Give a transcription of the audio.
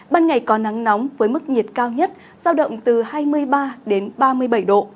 ban ngày có nắng nóng với mức nhiệt cao nhất giao động từ hai mươi ba đến ba mươi bảy độ